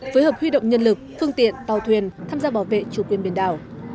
phối hợp huy động nhân lực phương tiện tàu thuyền tham gia bảo vệ chủ quyền biển đảo